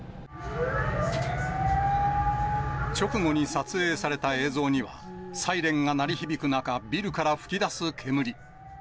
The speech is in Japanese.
直後に撮影された映像には、サイレンが鳴り響く中、ビルから吹き出す煙。